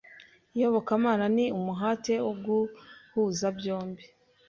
Iyobokamana ni umuhate wo guhuza byombi